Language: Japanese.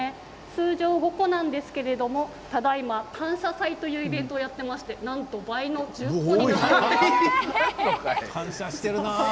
通常５個なんですけれどただいま感謝祭というイベントをやっていましてなんと倍の１０個になっています。